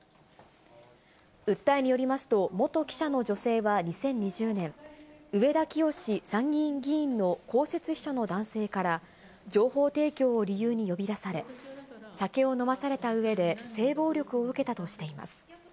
訴えによりますと、元記者の女性は２０２０年、上田清司参議院議員の公設秘書の男性から、情報提供を理由に呼び出され、酒を飲まされたうえで性暴力を受けたとしています。